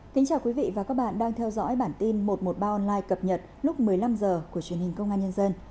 chào mừng quý vị đến với bản tin một trăm một mươi ba online cập nhật lúc một mươi năm h của truyền hình công an nhân dân